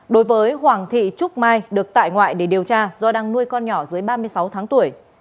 đối với hoàng thị trúc mai được tại ngoại để điều tra do đang nuôi con nhỏ dưới ba mươi sáu tháng tuổi